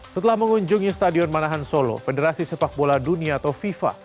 setelah mengunjungi stadion manahan solo federasi sepak bola dunia atau fifa